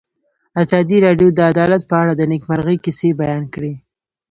ازادي راډیو د عدالت په اړه د نېکمرغۍ کیسې بیان کړې.